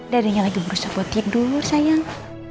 dari ini lagi berusaha buat tidur sayang